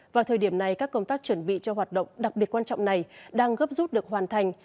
vào thời điểm này các công tác chuẩn bị cho hoạt động đặc biệt quan trọng này đang gấp rút được hoàn thành